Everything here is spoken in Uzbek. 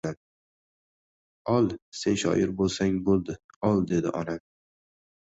— Ol, sen shoir bo‘lsang bo‘ldi, ol, — dedi onam.